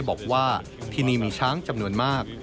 บอกว่าที่นี่มีช้างจำนวนมาก